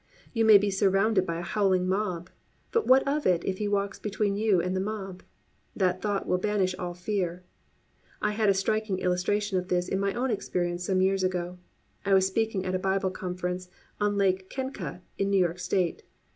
You may be surrounded by a howling mob. But what of it if He walks between you and the mob? That thought will banish all fear. I had a striking illustration of this in my own experience some years ago. I was speaking at a Bible Conference on Lake Kenka in New York State.